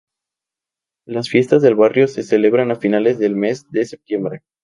Las fiestas del barrio se celebran a finales del mes de septiembre.